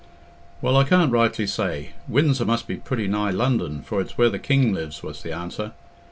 "Well, I can't rightly say. Windsor must be pretty nigh London, for it's where the king lives," was the answer.